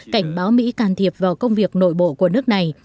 cảnh báo mỹ can thiệp vào công việc nội bộ của nước này